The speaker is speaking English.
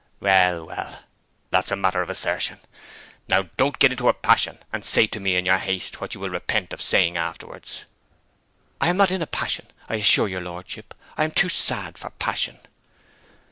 'Well, well, that's a matter of assertion. Now don't get into a passion, and say to me in your haste what you'll repent of saying afterwards.' 'I am not in a passion, I assure your lordship. I am too sad for passion.'